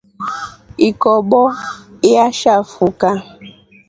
Ikobo iashafuka.